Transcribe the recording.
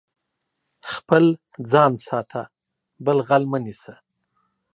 خپل ځان ساته، بل غل مه نيسه.